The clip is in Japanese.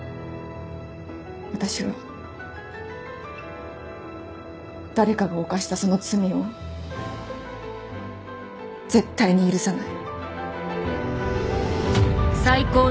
私は誰かが犯したその罪を絶対に許さない。